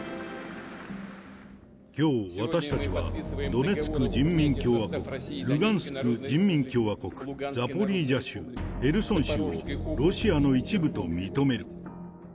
きょう私たちは、ドネツク人民共和国、ルガンスク人民共和国、ザポリージャ州、ヘルソン州をロシアの一部と認める。